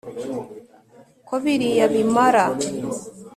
ko biriya bimara